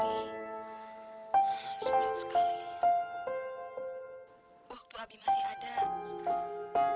apakah seperti ini kehidupan supir angkut